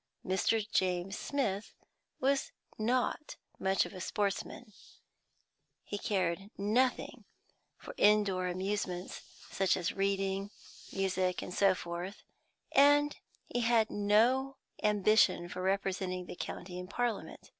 Mr. James Smith was not much of a sportsman; he cared nothing for indoor amusements, such as reading, music, and so forth; and he had no ambition for representing the county in parliament.